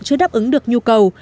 chưa đáp ứng được nhu cầu